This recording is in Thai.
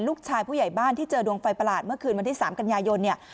ผู้ใหญ่บ้านที่เจอดวงไฟประหลาดเมื่อคืนวันที่๓กันยายนเนี่ย